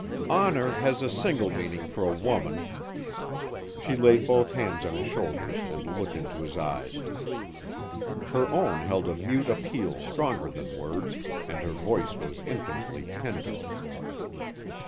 "Honor has a single meaning for a woman." She laid both hands on his shoulders and looked into his eyes. Her own held a mute appeal stronger than words, and her voice was infinitely tender.